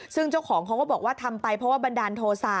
ซึ่งเจ้าของเขาก็บอกว่าทำไปเพราะว่าบันดาลโทษะ